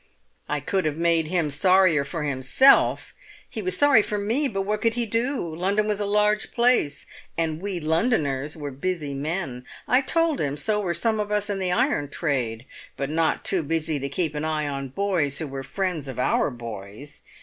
I could have made him sorrier for himself! He was sorry for me, but what could he do? London was a large place, and 'we Londoners' were busy men. I told him so were some of us in the iron trade, but not too busy to keep an eye on boys who were friends of our boys.